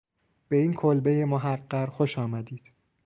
به این کلبه محقر خوش آمدید